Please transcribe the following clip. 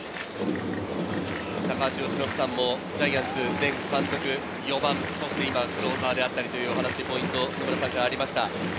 高橋由伸さんもジャイアンツ前監督、４番、そしてクローザーであったり、というお話、野村さんからありました。